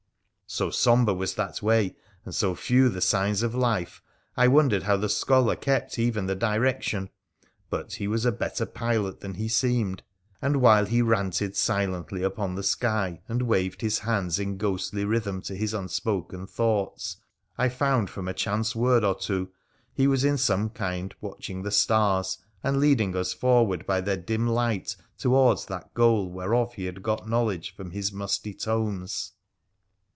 So sombre was that way, and so few the signs of life, I wondered how FHRA THE PHOENICIAN 329 the scholar kept even the direction ; but he was a better pilot than he seemed, and, while he ranted silently upon the sky and waved his hands in ghostly rhythm to his unspoken thoughts, I found from a chance word or two he was in some kind watch ing the stars, and leading us forward by their dim light towards that goal whereof he had got knowledge from his musty tomes.